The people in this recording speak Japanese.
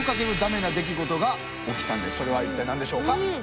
そしてそれは一体何でしょうか？